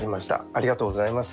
ありがとうございます。